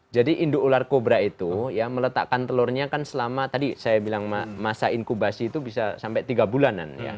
jadi induk ular kobra itu meletakkan telurnya kan selama tadi saya bilang masa inkubasi itu bisa sampai tiga bulanan